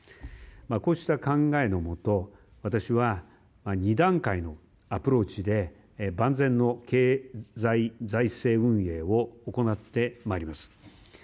こうした考えのもと私は２段階のアプローチで万全の経済財政運営を行ってまいります。